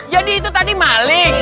jadi itu tadi malik